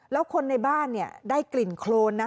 แล้วคนในบ้านได้กลิ่นโครนนะ